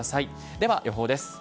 では、予報です。